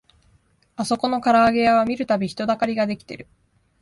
あそこのからあげ屋は見るたび人だかりが出来てる